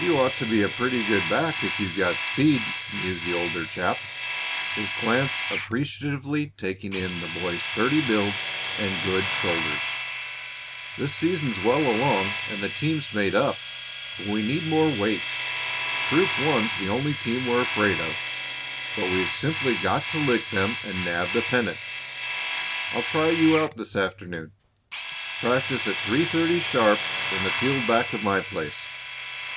"You ought to be a pretty good back if you've got speed," mused the older chap, his glance appreciatively taking in the boy's sturdy build and good shoulders. "The season's well along and the team's made up, but we need more weight. Troop One's the only team we're afraid of, but we've simply got to lick them and nab the pennant. I'll try you out this afternoon. Practice at three thirty sharp in the field back of my place.